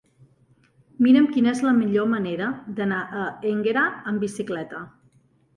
Mira'm quina és la millor manera d'anar a Énguera amb bicicleta.